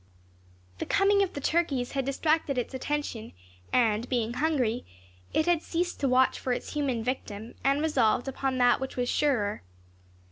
The coming of the turkeys had distracted its attention; and being hungry, it had ceased to watch for its human victim, and resolved upon that which was surer.